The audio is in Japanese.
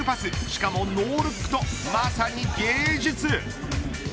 しかもノールックとまさに芸術。